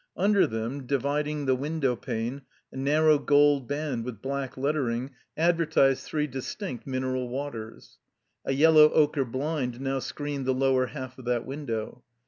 Under them, dividing the window pane, a narrow gold band with black lettering advertised three distinct mineral waters. A yellow ochre blind now screened the lower half of that window.